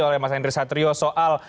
oleh mas henry satrio soal